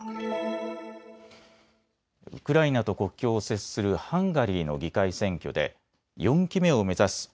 ウクライナと国境を接するハンガリーの議会選挙で４期目を目指す